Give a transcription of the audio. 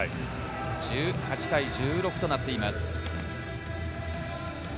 １８対１６となっています。